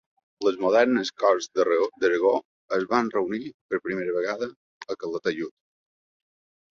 Les modernes Corts d'Aragó es van reunir per primera vegada a Calataiud.